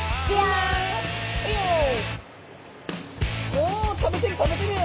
おお食べてる食べてる！